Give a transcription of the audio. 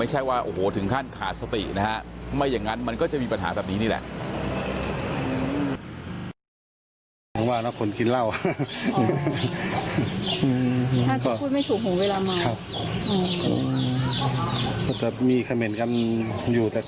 ว่าโอ้โหถึงขั้นขาดสตินะฮะไม่อย่างนั้นมันก็จะมีปัญหาแบบนี้นี่แหละ